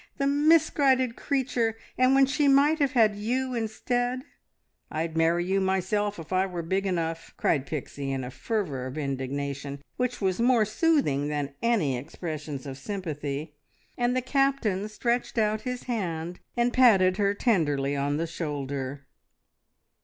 The misguided creature! And when she might have had you instead! I'd marry you myself if I were big enough!" cried Pixie in a fervour of indignation which was more soothing than any expressions of sympathy; and the Captain stretched out his hand and patted her tenderly on the shoulder.